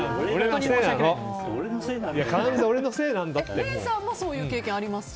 礼さんもそういう経験ありますか？